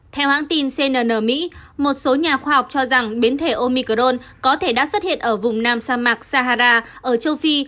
theo hãng tin cnn mỹ một số nhà khoa học cho rằng biến thể omicrone có thể đã xuất hiện ở vùng nam sa mạc sahara ở châu phi